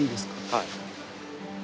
はい。